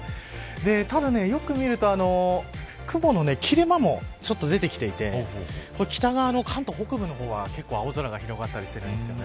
ただ、よく見ると雲の切れ間もちょっと出てきていて北側の関東北部の方はけっこう青空が広がったりしてるんです。